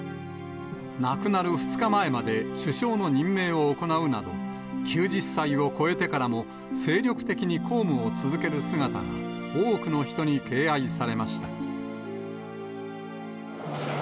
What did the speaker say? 亡くなる２日前まで首相の任命を行うなど、９０歳を超えてからも、精力的に公務を続ける姿が多くの人に敬愛されました。